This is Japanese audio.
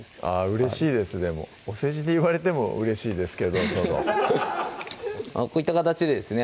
うれしいですでもお世辞で言われてもうれしいですけどこういった形でですね